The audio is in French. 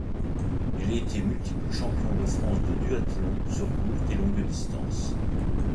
Il a été multiple champion de France de duathlon sur courte et longue distance.